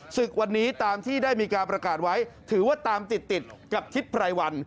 ศึกวันนี้ตามที่ได้มีการประกาศไว้ถือว่าตามติดติดกับทิศไพรวัน